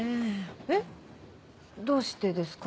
えっどうしてですか？